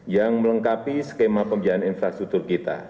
yang melengkapi skema pembiayaan infrastruktur kita